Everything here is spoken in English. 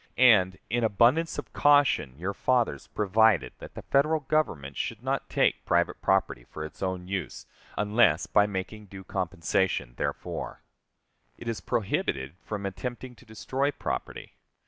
And, in abundance of caution, your fathers provided that the Federal Government should not take private property for its own use unless by making due compensation therefor. It is prohibited from attempting to destroy property.